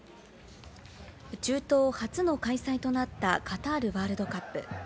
中東初の開催となったカタールワールドカップ。